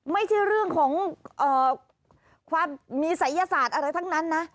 ไม่ใช่เรื่องของความมีศัยศาสตร์อะไรทั้งนั้นนะ